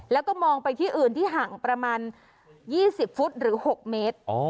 แล้วก็มองไปที่อื่นที่ห่างประมาณ๒๐ฟุตหรือ๖เมตร